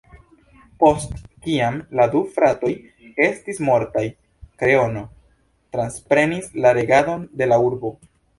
Post kiam la du fratoj estis mortaj, "Kreono" transprenis la regadon de la urbo.